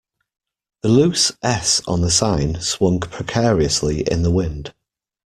The loose S on the sign swung precariously in the wind.